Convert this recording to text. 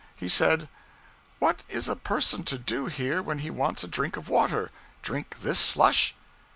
He said 'What is a person to do here when he wants a drink of water? drink this slush?'